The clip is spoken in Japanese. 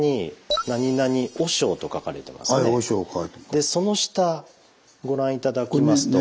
でその下ご覧頂きますと。